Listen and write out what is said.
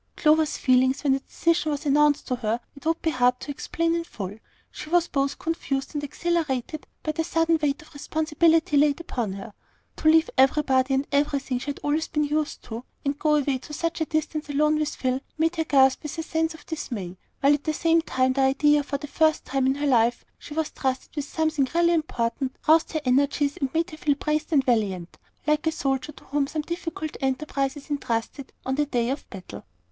Clover's feelings when the decision was announced to her it would be hard to explain in full. She was both confused and exhilarated by the sudden weight of responsibility laid upon her. To leave everybody and everything she had always been used to, and go away to such a distance alone with Phil, made her gasp with a sense of dismay, while at the same time the idea that for the first time in her life she was trusted with something really important, roused her energies, and made her feel braced and valiant, like a soldier to whom some difficult enterprise is intrusted on the day of battle.